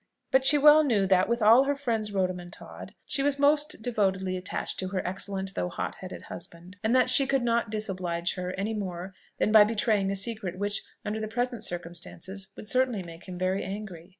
But she well knew that, with all her friend's rhodomontade, she was most devotedly attached to her excellent though hot headed husband, and that she could not disoblige her more than by betraying a secret which, under the present circumstances, would certainly make him very angry.